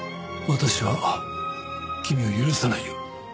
私は君を許さないよ。